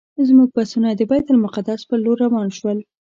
زموږ بسونه د بیت المقدس پر لور روان شول.